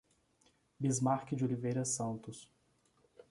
Bismarque de Oliveira Santos